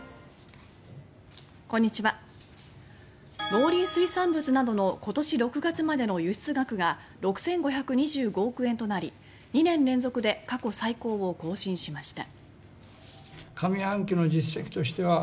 農林水産物などの今年６月までの輸出額が６５２５億円となり２年連続で過去最高を更新しました。